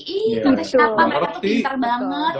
iya belum ngerti